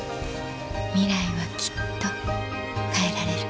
ミライはきっと変えられる